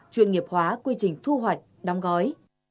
truyền nghiệp hóa quy trình thu hoạch đóng gói